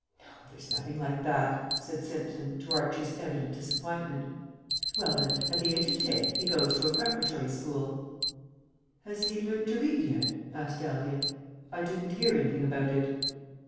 "No, there's nothing like that," said Simpson, to Archie's evident disappointment. "Well, then, at the age of ten he goes to a preparatory school." "Has he learnt to read yet?" asked Dahlia. "I didn't hear anything about it."